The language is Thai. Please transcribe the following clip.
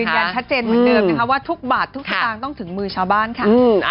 ยืนยันชัดเจนเหมือนเดิมนะคะว่าทุกบาททุกสตางค์ต้องถึงมือชาวบ้านค่ะ